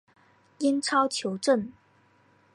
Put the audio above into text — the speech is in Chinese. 英超球证